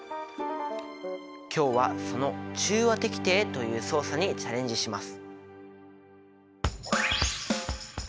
今日はその中和滴定という操作にチャレンジします。